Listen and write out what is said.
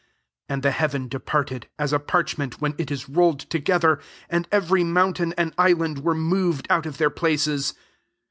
14 And the' heaven departed, as a parch ment when it is rolled together; and every mountain an^ island were moved out of their places.